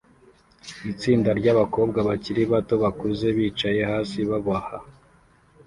itsinda ry'abakobwa bakiri bato bakuze bicaye hasi baboha